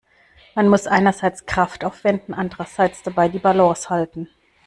Man muss einerseits Kraft aufwenden, andererseits dabei die Balance halten.